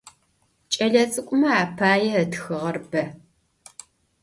Ç'elets'ık'ume apaê ıtxığer be.